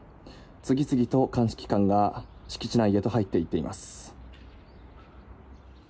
次々と鑑識官が敷地内へと入って行っています。